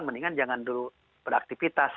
mendingan jangan dulu beraktifitas